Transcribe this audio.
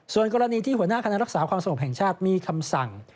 ส่วนกรณีที่หัวหน้าคณะรักษาความสงบแห่งชาติมีคำสั่ง